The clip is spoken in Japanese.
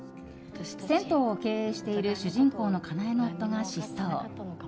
銭湯を経営している主人公のかなえの夫が失踪。